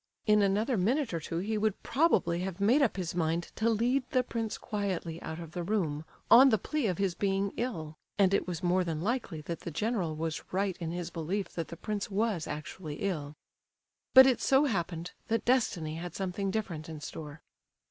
In another minute or two he would probably have made up his mind to lead the prince quietly out of the room, on the plea of his being ill (and it was more than likely that the general was right in his belief that the prince was actually ill), but it so happened that destiny had something different in store.